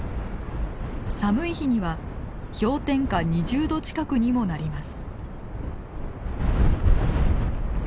寒い日には氷点下２０度近くにもなります。